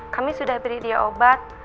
kami sudah beri dia obat